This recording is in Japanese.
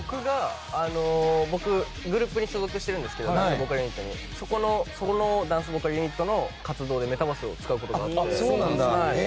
僕、グループに所属してるんですけどそこのダンスボーカルユニットの活動でメタバースを使うことがあって。